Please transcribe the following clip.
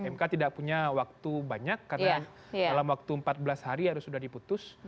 mk tidak punya waktu banyak karena dalam waktu empat belas hari harus sudah diputus